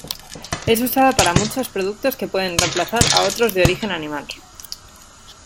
Es usada para muchos productos que pueden reemplazar a otros de origen animal.